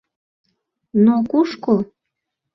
— Но кушко?